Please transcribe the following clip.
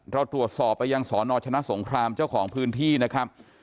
เราตรวจสอบไปยังสนชนะสงครามเจ้าของพื้นที่นะครับ